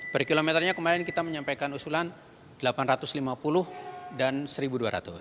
per kilometernya kemarin kita menyampaikan usulan rp delapan ratus lima puluh dan rp satu dua ratus